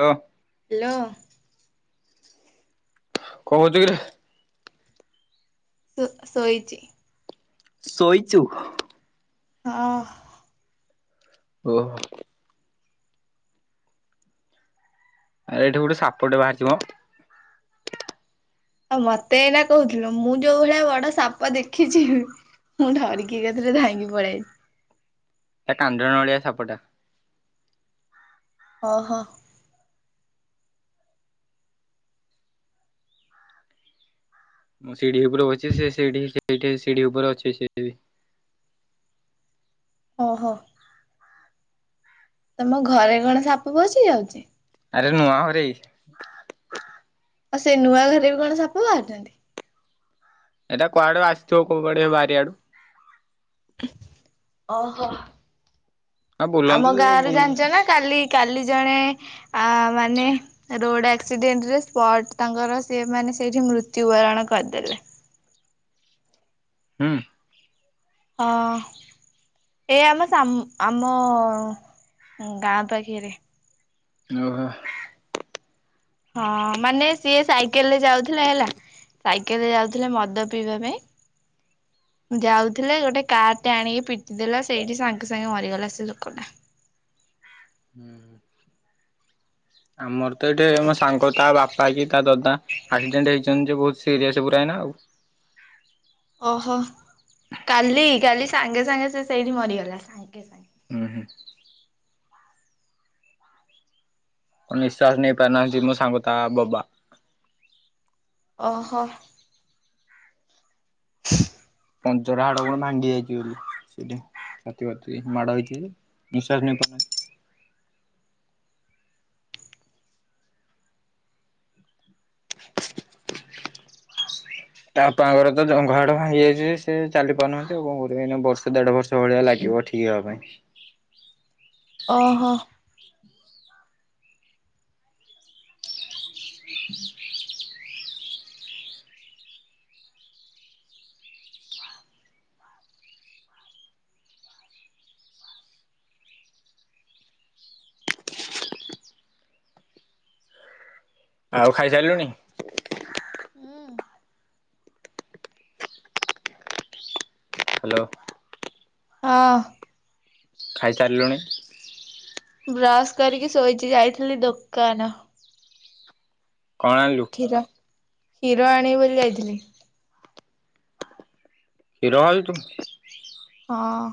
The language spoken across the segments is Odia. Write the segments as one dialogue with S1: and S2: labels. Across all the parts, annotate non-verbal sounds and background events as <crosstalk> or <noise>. S1: ହ୍ୟା
S2: ହ୍ୟାଲୋ
S1: କଣ କରଚୁ କିରେ?
S2: ସ ସୋଇଛି
S1: ଶୋଇଚୁ
S2: ହଁ
S1: ଓହୋ ଏଇଠେ ଗୋଟେ ସାପ ଟେ ବାହାରିିଚି ମ
S2: ହ ମତେ ଏଇନା କହୁଥିଲ ମୁଁ ଯୋଉ ଭଳିଆ ବଡ ସାପ ଦେଖିଛି। ମୁଁ ଡ଼ିରିକି ଏକା ଥରେ ଧାଇଙ୍କି ପଳେଇଆଇଚି।
S1: ଏକ କାଣ୍ଡ ନାଲିଆ ସାପଟା
S2: ଓହୋ
S1: ମୁଁ ସିଢି ଉପରେ ବଇଚି ସେ ସେଠି ସିଢି ଉପରେ ଅଛି ସେ
S2: ଓହୋ ତମ ଘରେ କଣ ସାପ ପଶି ଯାଉଛି?
S1: ଆରେ ନୂଅ ହରେ
S2: ଆଉ ସେ ନୂଆ ଘରେ ବି କଣ ସାପ ବାହାରୁଛନ୍ତି?
S1: ଏଇଟା କୁଆଡେ ଆସିଥିବ କଉୁଆଡେ ବାରିଆଡୁ
S2: ଓହୋ
S1: ଆଉ ବୁଲନ୍ତୁ
S2: ଆମ ଗାଁ
S1: ବୁଲୁ
S2: ରେ ଜାଣିଚ ନା କାଲି କାଲି ଜଣେ ଆ ମାନେ ରୋଡ ଆକ୍ସିଡେଣ୍ଟ ରେ ସ୍ପଟ ତାଙ୍କର ସେ ମାନେ ସେଇଠି ମୃତ୍ୟୁବରଣ କରିଦେଲେ
S1: ହୁଁ
S2: ହଁ ଏ ଆମ ସା ଆମ ଗାଁ ପାଖରେ
S1: ଓହୋ
S2: ହଁ ମାନେ ସିଏ ସାଇକେଲ ରେ ଯାଉଥିଲା ହେଲା ସାଇକେଲରେ ଯାଉଥିଲେ ମଦ ପିଇବା ପାଇଁ ଯାଉଥିଲେ ଗୋଟେ କାର ଟେ ଆଣିକି ପିଟି ଦେଲା ସେଇଠି ସାଙ୍ଗେ ସାଙ୍ଗେ ମରିଗଲା ସେ ଲୋକଟା
S1: ହୁଁ ଆମର ତ ଏଠି ମୋ ସାଙ୍ଗ ତା ବାପା କି ତା ଦାଦା ଆକ୍ସିଡେଣ୍ଟ ହେଇଛନ୍ତି ଯେ ବହୁତ ସିରିୟସ ପୁରା ଏଇନା ଆଉ
S2: ଓହୋ କାଲି କାଲି ସାଙ୍ଗେ ସାଙ୍ଗେ ସେ ସେଇଠି ମରିଗଲା ସାଙ୍ଗେ ସାଙ୍ଗ
S1: ହୁଁ ହୁଁ। ନିଶ୍ୱାସ ନେଇପାରନାହାଁନ୍ତି ମୋ ସାଙ୍ଗ ତା ବାବା।
S2: ଓହୋ।
S1: ପଞ୍ଜରା ହାଡ କଣ ଭାଙ୍ଗି ଯାଇଛି ବୋଲି ସେଠି। ଛାତି ବାତି ମାଡ ହେଇଛି ନିଶ୍ୱାସ ନେଇପାରୁ ନାହାନ୍ତି ତା ବାପାଙ୍କର ତ ଜଙ୍ଘ ହାଡ ଭାଙ୍ଗି ଯାଇଛି ଯେ ସେ ଚାଲି ପାରୁନାହାନ୍ତି ଆଉ କଣ କରିବା ଏଇନା ବର୍ଷେ ଦେଢ଼ ବର୍ଷ ଭଳିଆ ଲାଗିବ ଠିକ ହେବା ପାଇଁ।
S2: ଓହୋ।
S1: ଆଉ ଖାଇସାରିଲୁଣି?
S2: ହୁଁ।
S1: ହାଲୋ।
S2: ହଁ।
S1: ଖାଇ ସାରିଲୁଣି?
S2: ବ୍ରଶ କରିକି ଶୋଇଛି ଯାଇଥିଲି ଦୋକାନ।
S1: କଣ ଆଣିଲୁ?
S2: କ୍ଷୀର କ୍ଷୀର ଆଣିବି ବୋଲି ଯାଇଥିଲି।
S1: କ୍ଷୀର ଆଣିଛୁ।
S2: ହଁ।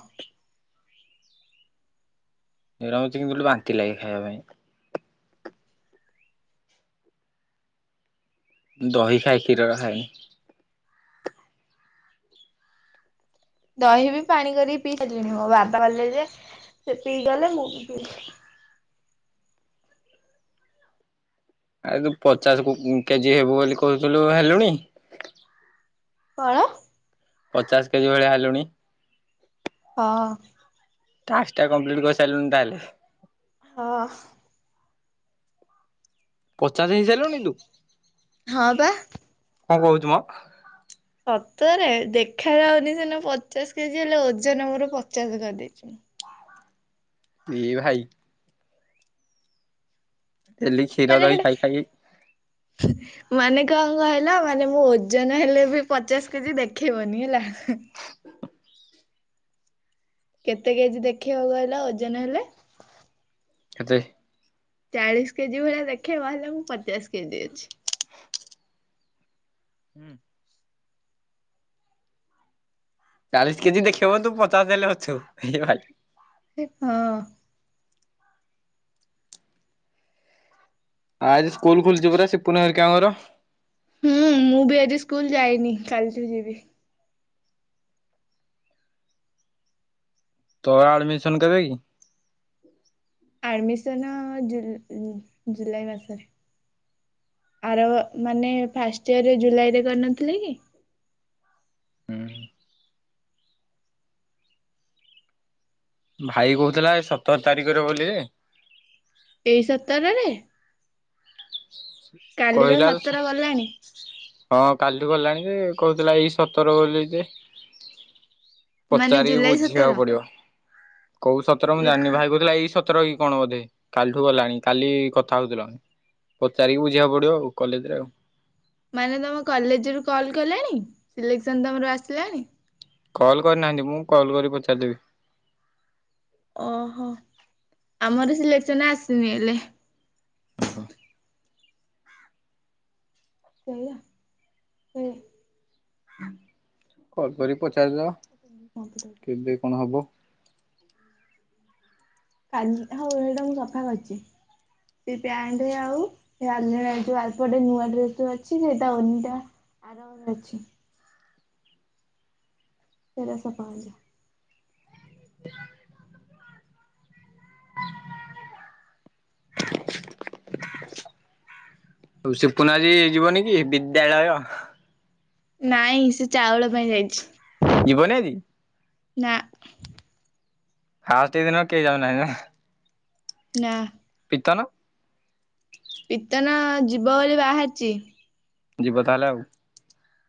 S1: କ୍ଷୀର ମତେ କେମିତି କହିଲୁ ବାନ୍ତି ଲାଗେ ଖାଇବା ପାଇଁ। ଦହି ଖାଏ କ୍ଷୀର ଖାଏନି।
S2: ଦହି ବି ପାଣି କରିକି ପିଇ ସାରିଲିଣି ମୋ ବାପା ଗଲେ ଯେ ସେ ପିକି ଗଲେ ମୁଁ ବି ପିଇ।
S1: ଆରେ ତୁ ପଚାଶ କୁ କେଜି ହେବୁ ବୋଲି କହୁଥିଲୁ ହେଲୁଣି?
S2: କଣ?
S1: ପଚାଶ କେଜି ଭଳିଆ ହେଲୁଣି?
S2: ହଁ।
S1: ଟାସ୍କ ଟା କମ୍ପ୍ଲିଟ କରିସାରିଲୁଣି ତା ହେଲେ।
S2: ହଁ।
S1: ପଚାଶ ହେଇସାରିଲୁଣି ତୁ
S2: ହଁ ବା।
S1: କଣ କହୁଛୁ ମ?
S2: ସତରେ ଦେଖାଯାଉନି ସୀନା ପଚାଶ କେଜି ହେଲେ ଓଜନ ମୋର ପଚାଶ କରିଦେଇଛି ମୁଁ
S1: ଇ ଭାଇ। ଡେଲି କ୍ଷୀର
S2: ମାନେ
S1: ଦହି
S2: ହେଟା
S1: ଖାଇ ଖାଇ।
S2: ମାନେ କଣ କହିଲ ମାନେ ମୁ ଓଜନ ହେଲେ ବି ପଚାଶ କେଜି ଦେଖେଇବନି ହେଲା। କେତେ କେଜି ଦେଖିବ କହିଲ ଓଜନ ହେଲେ।
S1: କେତେ
S2: ଚାଳିଶ କେଜି ଭଳିଆ ଦେଖେଇବ ହେଲେ ମୁଁ ପଚାଶ କେଜି ଅଛି।
S1: ହୁଁ। ଚାଳିଶ କେଜି ଦେଖେଇବ ତୁ ପଚାଶ ହେଲେ ଅଛୁ ଏ ଭାଇ
S2: ସି ହଁ
S1: ଆଉ ଆଜି ସ୍କୁଲ ଖୋଲିଛି ପୁରା ସିପୁନ ହେରିକାଙ୍କର।
S2: ହୁଁ ମୁଁ ବି ଆଜି ସ୍କୁଲ ଯାଇନି କାଲିଠୁ ଯିବି।
S1: ତୋ ଆଡ଼ମିସନ କେବେ କି?
S2: ଆଡମିସନ୍ ଜୁଲ ଜୁଲାଇ ମାସରେ। ଆର ମାନେ ଫାର୍ଷ୍ଟ ଇୟର ଜୁଲାଇ ରେ କରିନଥିଲି କି।
S1: ହୁଁ। ଭାଇ କହୁଥିଲା ସତର ତାରିଖରେ ବୋଲି
S2: ଏଇ ସତରରେ? କାଲି ତ
S1: କହିଲା।
S2: ସତର ଗଲାଣି।
S1: ହଁ କାଲୁ ଗଲାଣି କହୁଥିଲା ଏଇ ସତର ବୋଲି ଯେ
S2: ମାନେ
S1: ପଚାରିକି
S2: ଜୁଲାଇ ସତର
S1: ବୁଝିବାକୁ ପଡ଼ିବ କୋଉ ସତର ମୁଁ
S2: ଲିକ
S1: ଜାଣିନି ଭାଇ କହୁଥିଲା ଏଇ ସ ତର କି କଣ ବୋଧେ କାଲିଠୁ ଗଲାଣି କାଲି କଥା ହଉଥିଲା। ପଚାରି କି ବୁଝିବାକୁ ପଡ଼ିବ ଆଉ କଲେଜରେ ଆଉ।
S2: ମାନେ ତମ କଲେଜ ରୁ କଲ୍ କଲେଣି ସିଲେକ୍ସନ ତମର ଆସିଲାଣି?
S1: କଲ୍ କରିନାହାନ୍ତି। ମୁଁ କଲ୍ କରି ପଚାରିଦେବି।
S2: ଓହୋ ଆମର ସିଲେକ୍ସନ ଆସିନି ହେଲେ।
S1: ଓହୋ।
S2: ସେଇଆ ସେ
S1: କଲ୍ କରିକି ପଚାରିଦେବା।
S2: <unintelligible> କମ୍ପ୍ୟୁଟର
S1: କେବେ କଣ ହବ?
S2: କାଜି ହଉ ହେଇଟା ମୁଁ ସଫା କରିଛି। ଏଇ ପ୍ୟାଣ୍ଟ ଆଉ ସେ ଆଲେଣାରେ ଯୋଉ ଆରପଟେ ନୂଆ ଡ୍ରେସ୍ ଟା ଅଛି ସେଟା ଓନିଟା ଆର ଘରେ ଅଛି। ସେଟା ସଫା କରିଚି।
S1: ହୋଉ ସିପୁନ ଆଜି ଯିବ ନାଇଁ କି ବିଦ୍ୟାଳୟ?
S2: ନାଇଁ ସେ ଚାଉଳ ପାଇଁ ଯାଇଛି।
S1: ଯିବନି ଆଜି?
S2: ନା।
S1: ଫାଷ୍ଟେ ଦିନ କେହି ଯାଉ ନାହାନ୍ତି ନା?
S2: ନା।
S1: ପିତନ?
S2: ପିତନ ଯିବ ବୋଲି ବାହାରିଛି।
S1: ଯିବ ତାହେଲେ ଆଉ।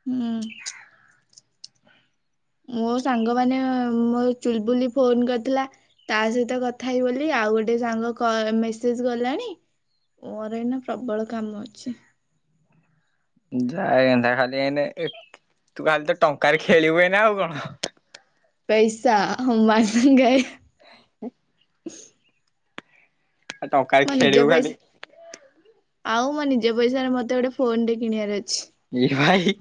S2: ହୁଁ। ମୋ ସାଙ୍ଗ ମାନେ ମୋ ଚୁଲବୁଲି ଫୋନ୍ କରିଥିଲା। ତା ସହିତ କଥା ହେବି ବୋଲି ଆଉ ଗୋଟେ ସାଙ୍ଗ କ ଏ ମେସେଜ ଗଲାଣି। ମୋର ଏଇନା ପ୍ରବଳ କାମ ଅଛି। ! ! ! ! ! ! ! ! ! ! ପଇସା ହାଃ ହମ୍ ମାଗେଙ୍ଗେ।
S1: ଉଁ। ଟଙ୍କାରେ
S2: ମୋ ନିଜ
S1: ଖେଳିବୁ ଖାଲି
S2: ପଇସା ଆଉ ମୋ ନିଜ ପଇସାରେ ମତେ ଗୋଟେ ଫୋନ୍ ଟେ କିଣିବାର ଅଛି।
S1: ଏ ଭାଇ।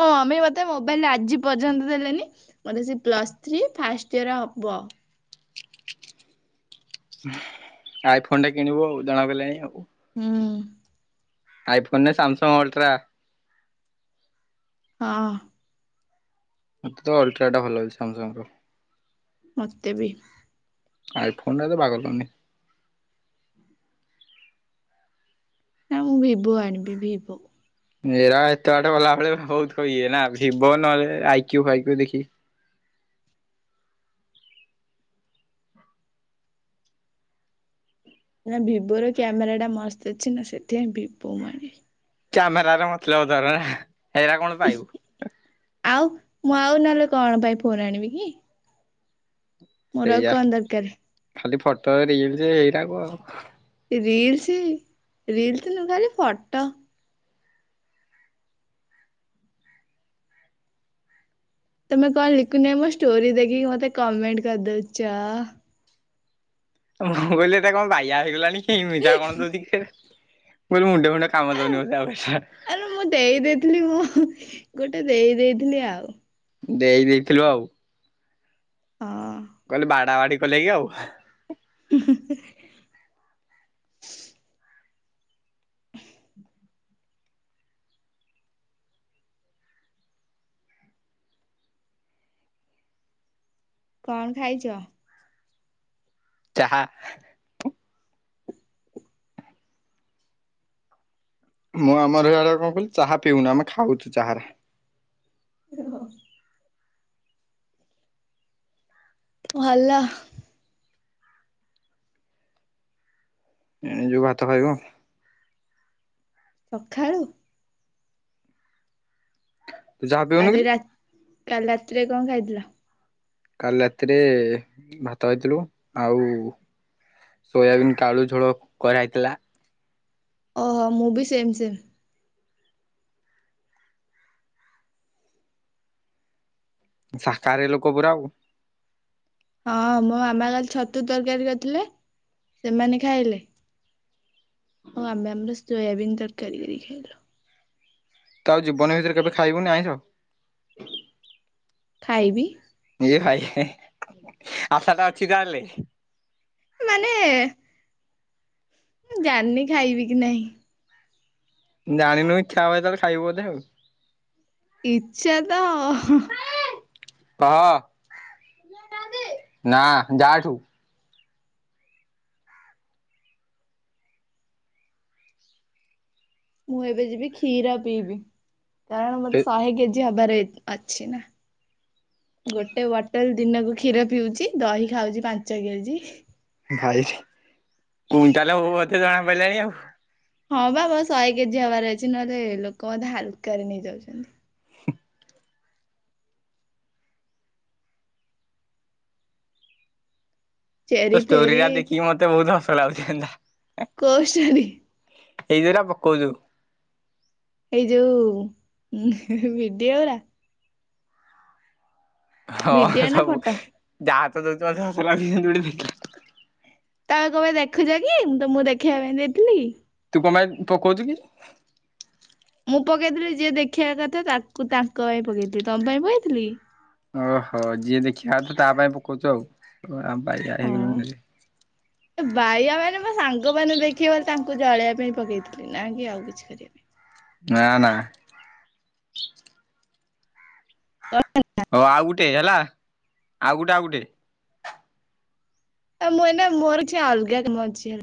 S2: ମୋ ମମି ମତେ ମୋବାଇଲ ଆଜି ପର୍ଯ୍ୟନ୍ତ ଦେଲେନି। ମତେ ସେ ପ୍ଲସ ଥ୍ରୀ ଫାଷ୍ଟ୍ ଇୟର ହବ।
S1: ଆଇ ଫୋନ୍ ଟା କିଣିବୁ ଆଉ ଜଣା ଗଲାଣି ଆଉ।
S2: ହୁଁ।
S1: ଆଇ ଫୋନ୍ ନା ସାମସଙ୍ଗ ଅଲଟ୍ରା?
S2: ହଁ।
S1: ମୋତେ ତ ଅଲଟ୍ରା ଟା ଭଲ ଲଗୁଛି ସାମସଙ୍ଗ ର।
S2: ମୋତେ ବି।
S1: ଆଈ ଫୋନ୍ ଟା ତ ବାଗ ପଡ଼ୁନି।
S2: ନା ମୁଁ ଭିବୋ ଆଣିବି ଭିିବୋ।
S1: ନେରା ଏତେ ବାଟ ଗଲା ବେଳେ ଭୋହୁତୁ ଇଏ ନା ଭିବୋ ନହେଲେ ଆଇକ୍ୟୁ ଫାଇକ୍ୟୁ ଦେଖିକି।
S2: ନା ଭିବୋ ର କ୍ୟାମେରା ଟା ମସ୍ତ ଅଛି ନା ସେଥିପାଇଁ ଭିବୋ ମୁଁ ଆଣିବି।
S1: କ୍ୟାମେରାରେ ମତଲବ ତା <unintelligible> ନା ହେରା କଣ ପାଇବୁ।
S2: ଆଉ ମୁଁ ଆଉ ନହେଲେ କଣ ପାଇଁ ଫୋନ ଆଣିବି କି? ମୋର ଆଉ
S1: ସେଇଆ।
S2: କଣ ଦରକାରେ।
S1: ଖାଲି ଫଟ ରିଲସ ଏଇରାକ ଆଉ।
S2: ରୀଲ୍ସ ରୀଲ୍ସ ନୁ ଖାଲି ଫଟ। ତମେ କଣ ଲିକୁନ ଭାଇ ମୋ ଷ୍ଟୋରି ଦେଖିକି ମତେ କମେଣ୍ଟ କରିଦଉଚ।
S1: ମୁଁ କହିଲି ଏଟା କଣ ବାଇଆ ହେଇଗଲାଣି କି। ଇମିତିଆ କଣ ଦଉଚିକି। ମୁଁ ମୁଣ୍ଡ ଫୁଣ୍ଡ କାମ ଦଉନି ଆଉ ଏଟା।
S2: ଆରେ ମୁଁ ଦେଇ ଦେଇଥିଲି ମୁଁ ଗୋଟେ ଦେଇ ଦେଇଥିଲି ଆଉ।
S1: ଦେଇ ଦେଇଥିଲୁ ଆଉ।
S2: ହଁ।
S1: କହିଲି ବାଡା ବାଡି କଲେକି ଆଉ।
S2: ହୁଁ ହୁଁ ହେଁ। କଣ ଖାଇଚ?
S1: ଚାହା। ମୁଁ ଆମର ଇଆଡେ କଣ କହିଲୁ ଚାହା ପିଉନା ଆମେ ଖାଉଛୁ ଚାହାଉରା।
S2: ଏହ ଭଲ।
S1: ଏଇନେ ଯୋଉ ଭାତ ଖାଇବ।
S2: ସଖାଳୁ?
S1: ତୁ ଚାହା ପିଉନୁ
S2: କାଲି
S1: କିରେ
S2: ରା କାଲି ରାତିରେ କଣ ଖାଇଥିଲ?
S1: କାଲି ରାତିରେ ଭାତ ଖାଇଥିଲୁ ଆଉ ସୋୟାବିନ୍ କାଳୁ ଝୋଳ କରାହେଇଥିଲା।
S2: ଓହୋ ମୁଁ ବି ସେମ୍ ସେମ୍।
S1: ସାକାହାରି ଲୋକ ପୁରା ଆଉ।
S2: ହଁ ମୋ ମାମା କାଲି ଛତୁ ତରକାରୀ କରଥିଲେ। ସେମାନେ ଖାଇଲେ। ଆଉ ଆମେ ଆମର ସୋୟାବିନ ତରକାରୀ କରିକି ଖାଇଲୁ।
S1: ତୁ ଆଉ ଜୀବନ ଭିତରେ କେବେ ଖାଇବୁନି ଆଇଁଷ?
S2: ଖାଇବି।
S1: ଇଏ ଭାଇ ଆଶାଟା ଅଛି ତାହେଲେ।
S2: ମାନେ ଜାଣିନି ଖାଇବି କି ନାହିଁ।
S1: ଜାଣିନୁ ଖାଆ <unintelligible> ଖାଇବୁ ବୋଧେ ଆଉ।
S2: ଇଚ୍ଛା ତ
S1: କହ ନା ଯା ଏଠୁ।
S2: ମୁଁ ଏବେ ଯିବି କ୍ଷୀର ପିଇବି। କାରଣ ମତେ ଶହେ କେଜି ହବାରେ ଅଛି ନା। ଗୋଟେ ବୋଟଲ ଦିନକୁ କ୍ଷୀର ପିଉଛି ଦହି ଖାଉଛି ପାଞ୍ଚ କେଜି।
S1: ଭାଇ କୁଇନଟାଲ ହୋବୁ ବୋଧେ ଜଣା ପଇଲାଣି ଆଉ।
S2: ହଁ ବା ଶହେ କେଜି ହବାର ଅଛି। ନହେଲେ ଲୋକ ମୋତେ ହାଲକାରେ ନେଇଯାଉଚନ୍ତି।
S1: ତୋ
S2: ଚେରି
S1: ଷ୍ଟୋରି
S2: ଫେରି
S1: ଟା ଦେଖିକି ମତେ ବହୁତ ହସ ଲାଗୁଛି କେନ୍ତା।
S2: କୋଉ ଷ୍ଟୋରି।
S1: ଏଇ ଯୋଉରା ପକୋଉଚୁ।
S2: ଏଇ ଯୋଉ ଭିଡିଓ ଉରା।
S1: ହଁ
S2: ଭିଡିଓ ନା
S1: ସବୁ
S2: ଫଟୋ
S1: ଯାହା ତ ଦଉଚୁ ମତେ ହସ ଲାଗୁଛି ଭିଡିଓ ଦେଖିଲେ
S2: ତା କଣପେ ଦେଖୁଛ କି? ମୁଁ ତମକୁ ଦେଖିବା ପାଇଁ ଦେଇଥିଲିକି?
S1: ତୁ କଣ ପାଇଁ ପକଉଚୁ କି?
S2: ମୁଁ ପକେଇଥିଲି ଯିଏ ଦେଖେଇିବା କଥା ତାକୁ ତାଙ୍କ ପାଇଁ ପକେଇଥିଲି ତମ ପାଇଁ ପକେଇଥିଲିକି।
S1: ଓହୋ ଯିଏ ଦେଖିବା କଥା ତା ପାଇଁ ପକଉଚୁ ଆଉ। ଆମେ ବାଇଆ
S2: ହଁ।
S1: ହେଇଗଲୁଣିରେ।
S2: ବାଇଆ ମାନେ ମୋ ସାଙ୍ଗମାନେ ଦେଖିବେ ବୋଲି ତାଙ୍କୁ ଜଳେଇବା ପାଇଁ ପକେଇଥିଲି। ନାଁ କି ଆଉ କିଛି କରିବା ପାଇଁ।
S1: ନାଁ ନାଁ।
S2: <inaudible>
S1: ହ ଆଉ ଗୁଟେ ହେଲା ଆଉ ଗୁଟେ ଆଉ ଗୁଟେ।
S2: ଆ ମୁଁ ଏ ନା ମୋର କିଛି ଅଲଗା କାମ ଅଛି।